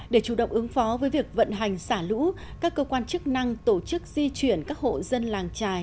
để chủ động ứng phó với việc vận hành xả lũ các cơ quan chức năng tổ chức di chuyển các hộ dân làng trài